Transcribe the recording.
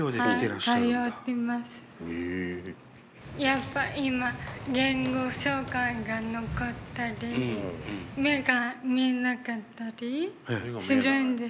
やっぱ今言語障害が残ったり目が見えなかったりするんですけど。